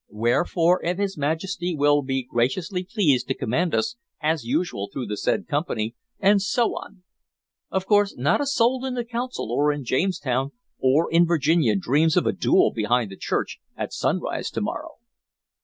Wherefore, if his Majesty will be graciously pleased to command us as usual through the said Company and so on. Of course, not a soul in the Council, or in Jamestown, or in Virginia dreams of a duel behind the church at sunrise to morrow."